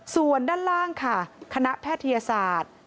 ส่วนด้านล่างค่ะคณะแพทยศาสตร์